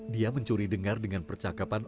dia mencuri dengar dengan percakapan